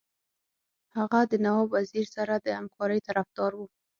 هغه د نواب وزیر سره د همکارۍ طرفدار وو.